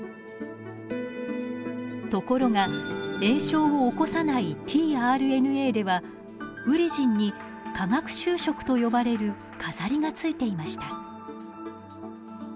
ところが炎症を起こさないｔＲＮＡではウリジンに化学修飾と呼ばれる飾りがついていました。